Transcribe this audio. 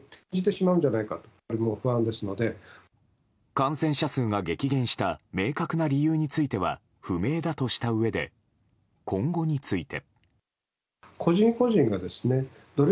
感染者数が激減した明確な理由については不明だとしたうえで今後について。